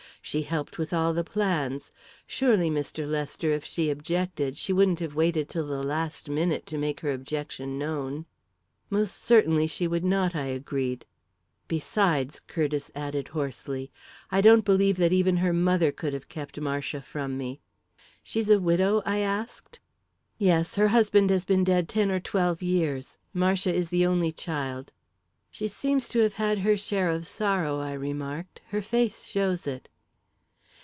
She helped with all the plans. Surely, Mr. Lester, if she objected, she wouldn't have waited till the last minute to make her objection known." "Most certainly she would not," I agreed. "Besides," Curtiss added hoarsely, "I don't believe that even her mother could have kept Marcia from me." "She's a widow?" I asked. "Yes. Her husband has been dead ten or twelve years. Marcia is the only child." "She seems to have had her share of sorrow," I remarked. "Her face shows it."